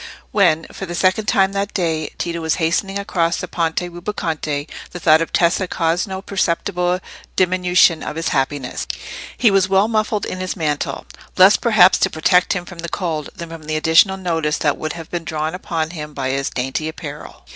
When, for the second time that day, Tito was hastening across the Ponte Rubaconte, the thought of Tessa caused no perceptible diminution of his happiness. He was well muffled in his mantle, less, perhaps, to protect him from the cold than from the additional notice that would have been drawn upon him by his dainty apparel.